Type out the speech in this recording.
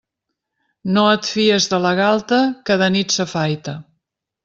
No et fies de la galta que de nit s'afaita.